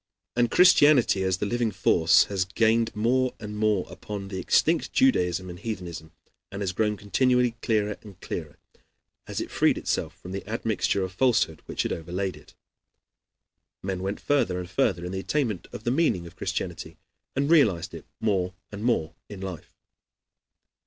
And Christianity, as the living force, has gained more and more upon the extinct Judaism and heathenism, and has grown continually clearer and clearer, as it freed itself from the admixture of falsehood which had overlaid it. Men went further and further in the attainment of the meaning of Christianity, and realized it more and more in life.